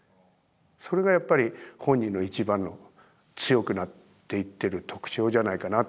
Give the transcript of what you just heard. それがやっぱり本人の一番の強くなっていってる特長じゃないかなと思うんですけど。